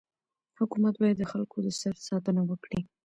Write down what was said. حکومت باید د خلکو د سر ساتنه وکړي.